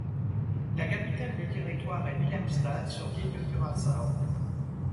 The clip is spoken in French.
La capitale du territoire est Willemstad, sur l’île de Curaçao.